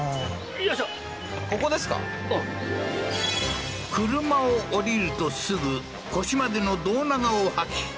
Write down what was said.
よいしょ車を降りるとすぐ腰までの胴長をはき